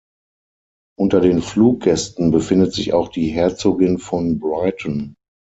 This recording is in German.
Unter den Fluggästen befindet sich auch die Herzogin von Brighton.